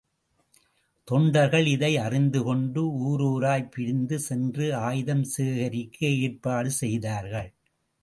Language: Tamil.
தொண்டர்கள் இதை அறிந்து கொண்டு, ஊரூராய்ப் பிரிந்து சென்று ஆயுதம் சேகரிக்க ஏற்பாடு செய்தார்கள்.